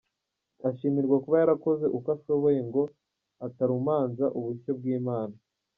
Ashimirwa kuba yarakoze uko ashoboye ngo atarumanza ubushyo bw’Imana.